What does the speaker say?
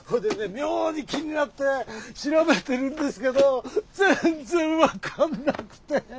妙に気になって調べてるんですけど全然分かんなくて。